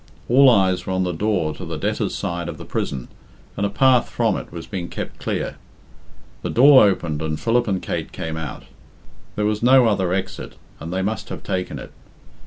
All eyes were on the door to the debtors' side of the prison, and a path from it was being kept clear. The door opened and Philip and Kate came out. There was no other exit, and they must have taken it.